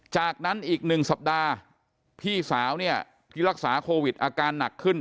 จากนั้นอีก๑สัปดาห์พี่สาวเนี่ยที่รักษาโควิดอาการหนักขึ้น